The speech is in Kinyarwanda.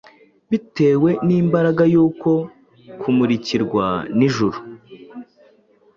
Bitewe n’imbaraga y’uko kumurikirwa n’ijuru,